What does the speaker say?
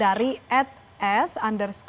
hari ini ini berapa lama